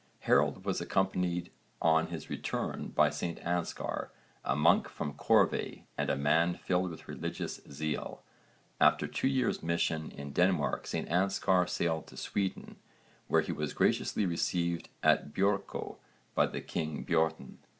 Harold was accompanied on his return by St Anskar, a monk from Corvey and a man filled with religious zeal. After two years' mission in Denmark St Anskar sailed to Sweden, where he was graciously received at Björkö by king Björn.